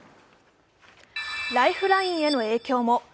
ライフラインへの影響も。